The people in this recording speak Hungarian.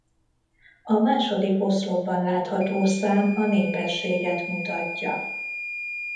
A második oszlopban látható szám a népességet mutatja.